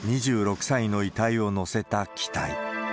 ２６歳の遺体を乗せた機体。